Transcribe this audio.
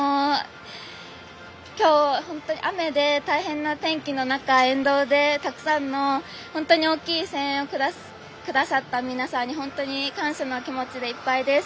今日、雨で大変な天気の中沿道でたくさんの大きい声援をくださった皆さんに本当に感謝の気持ちでいっぱいです。